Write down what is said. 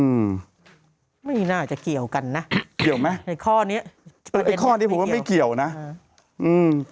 อืมไม่น่าจะเกี่ยวกันนะเกี่ยวไหมไอ้ข้อเนี้ยเออไอ้ข้อนี้ผมว่าไม่เกี่ยวนะอ่าอืม